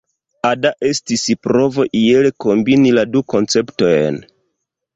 Ada estis provo iel kombini la du konceptojn.